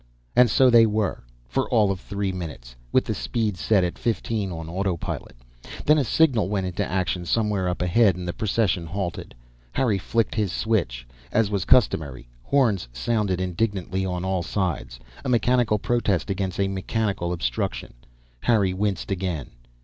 And so they were, for all of three minutes, with the speed set at fifteen on autopilot. Then a signal went into action somewhere up ahead, and the procession halted. Harry flicked his switch. As was customary, horns sounded indignantly on all sides a mechanical protest against a mechanical obstruction. Harry winced again.